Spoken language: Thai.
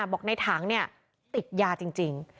บอกในถังติดยาจริง